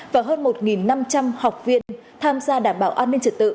và hơn một năm trăm linh học viên tham gia đảm bảo an ninh trật tự